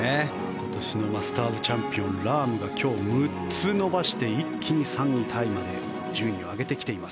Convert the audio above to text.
今年のマスターズチャンピオンラームが今日６つ伸ばして一気に３位タイまで順位を上げてきています。